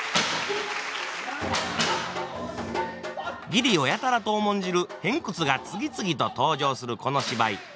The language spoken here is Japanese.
義理をやたらと重んじる偏屈が次々と登場するこの芝居。